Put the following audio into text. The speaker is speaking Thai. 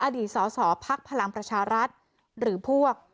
อดีตสอสอภักดิ์พลังประชารัฐหรือพวก